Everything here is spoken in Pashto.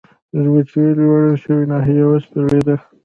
د وچولې ورم شوې ناحیه و پړسېدل.